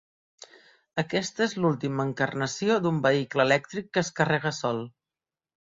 Aquesta és l'última encarnació d'un vehicle elèctric que es carrega sol.